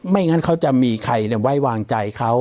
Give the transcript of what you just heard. ไม่งั้นเขาจะมีใครเนี่ยไว้วางใจเขา